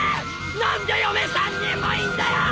何で嫁３人もいんだよ！！